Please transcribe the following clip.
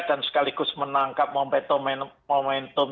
dan sekaligus menangkap momentum